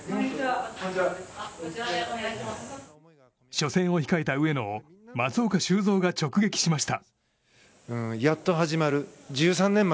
初戦を控えた上野を松岡修造が直撃しました。